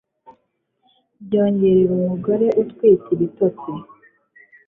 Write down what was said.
byongerera umugore utwite ibitotsi